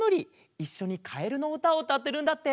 いっしょにかえるのうたをうたってるんだって。